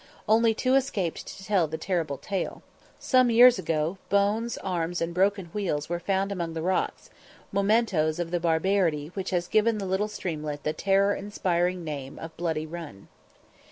Only two escaped to tell the terrible tale. Some years ago, bones, arms, and broken wheels were found among the rocks, mementos of the barbarity which has given the little streamlet the terror inspiring name of Bloody Run.